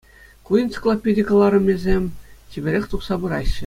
Ку энциклопеди кӑларӑмӗсем чиперех тухса пыраҫҫӗ.